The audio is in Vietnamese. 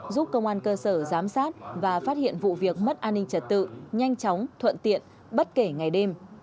giúp công an cơ sở giám sát và phát hiện vụ việc mất an ninh trật tự nhanh chóng thuận tiện bất kể ngày đêm